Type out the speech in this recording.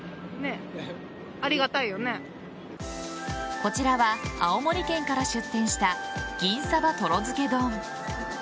こちらは青森県から出店した銀サバトロづけ丼。